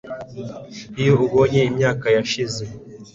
iyo abonye imyaka yashize